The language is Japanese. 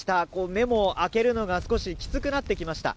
目も開けるのが少しきつくなってきました。